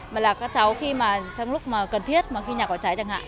mà là các cháu khi mà trong lúc mà cần thiết mà khi nhà có cháy chẳng hạn